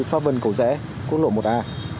pháp vân cầu rẽ quốc lộ một a